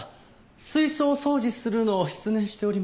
水槽を掃除するのを失念しておりました。